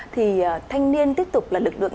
thì thanh niên tiếp tục là lực lượng